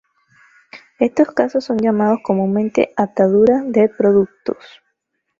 Estos casos son llamados comúnmente ataduras de productos.